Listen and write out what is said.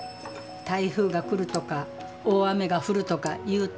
台風が来るとか大雨が降るとかいうと